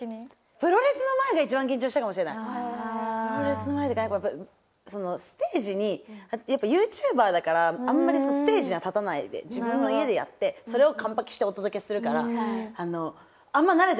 プロレスの前とかそのステージにやっぱＹｏｕＴｕｂｅｒだからあんまりステージには立たないで自分の家でやってそれを完パケしてお届けするからあんま慣れてなくて客前が。